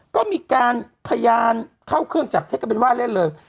ก็มีการพยานเข้าเครื่องจับเท็จกันเป็นว่าเล่นเลย